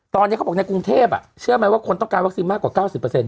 ตอนนี้เขาบอกในกรุงเทพเชื่อไหมว่าคนต้องการวัคซีนมากกว่า๙๐